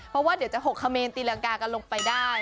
เพราะว่าเดี๋ยวจะหกเขมรตีรังกากันลงไปได้